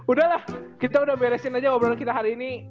udahlah kita udah beresin aja ngobrol kita hari ini